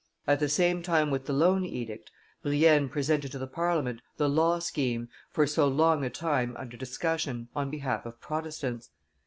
At the same time with the loan edict, Brienne presented to the Parliament the law scheme, for so long a time under discussion, on behalf of Protestants.